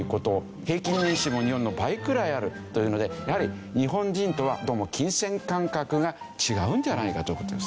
平均年収も日本の倍くらいあるというのでやはり日本人とはどうも金銭感覚が違うんじゃないかという事ですね。